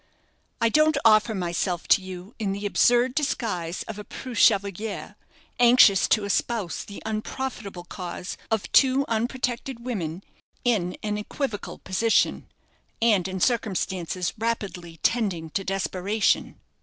I don't offer myself to you in the absurd disguise of a preux chevalier, anxious to espouse the unprofitable cause of two unprotected women in an equivocal position, and in circumstances rapidly tending to desperation."